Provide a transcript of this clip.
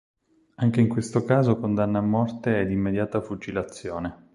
Anche in questo caso condanna a morte ed immediata fucilazione.